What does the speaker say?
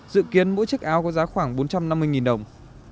dự kiến mỗi chiếc áo có giá khoảng bốn trăm năm mươi đồng